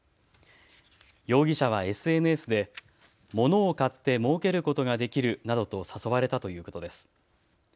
容疑者はＳＮＳで物を買ってもうけることができるなどと誘われたということです。